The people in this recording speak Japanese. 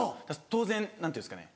当然何ていうんですかね